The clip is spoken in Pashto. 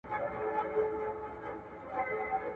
نصوار د غاښونو ناروغۍ رامنځ ته کوي.